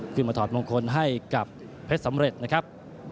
ถอดมงคลให้กับเพชรสำเร็จนะครับ